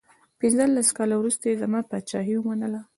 پنځلس کاله وروسته دوی زما پاچهي ومنله.